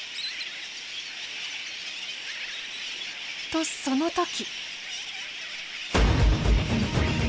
とその時。